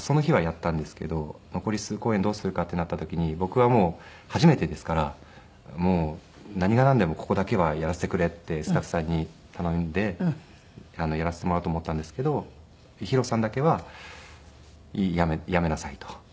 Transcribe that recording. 残り数公演どうするかってなった時に僕はもう初めてですから何がなんでもここだけはやらせてくれってスタッフさんに頼んでやらせてもらおうと思ったんですけどＨＩＲＯさんだけはやめなさいと。